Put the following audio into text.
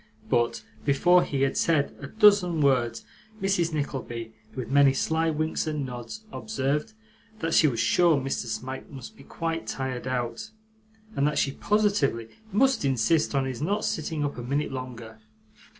But before he had said a dozen words, Mrs. Nickleby, with many sly winks and nods, observed, that she was sure Mr. Smike must be quite tired out, and that she positively must insist on his not sitting up a minute longer.